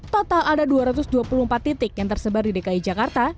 total ada dua ratus dua puluh empat titik yang tersebar di dki jakarta